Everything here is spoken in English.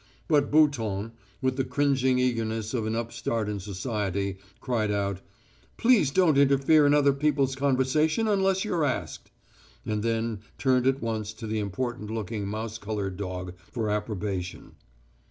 But Bouton, with the cringing eagerness of an upstart in society, cried out: "Please don't interfere in other people's conversation unless you're asked," and then turned at once to the important looking mouse coloured dog for approbation.